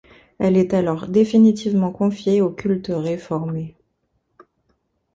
Elle est alors définitivement confiée au culte réformé.